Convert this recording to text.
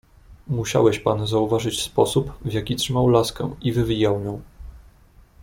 "Musiałeś pan zauważyć sposób, w jaki trzymał laskę i wywijał nią."